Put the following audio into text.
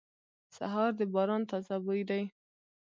سهار د باران تازه بوی دی.